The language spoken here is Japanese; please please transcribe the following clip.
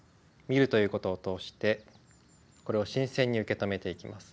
見るということを通してこれを新鮮に受け止めていきます。